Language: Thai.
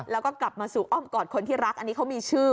แล้วก็กลับมาสู่อ้อมกอดคนที่รักอันนี้เขามีชื่อ